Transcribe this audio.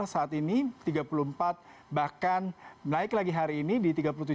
saat ini tiga puluh empat bahkan naik lagi hari ini di tiga puluh tujuh